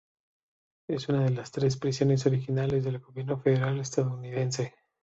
Es una de las tres prisiones originales del gobierno federal estadounidense.